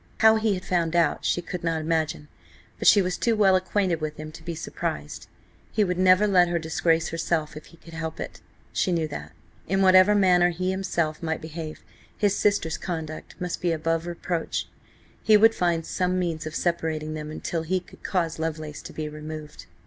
How he had found out, she could not imagine, but she was too well acquainted with him to be surprised. He would never let her disgrace herself if he could help it–she knew that. In whatever manner he himself might behave, his sister's conduct must be above reproach; he would find some means of separating them until he could cause Lovelace to be removed.